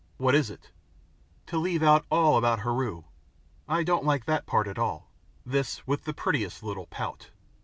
"What is it?" "To leave out all about Heru I don't like that part at all." This with the prettiest little pout.